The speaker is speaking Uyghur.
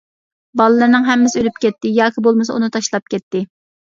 باللىرىنىڭ ھەممىسى ئۆلۈپ كەتتى ياكى بولمىسا ئۇنى تاشلاپ كەتتى.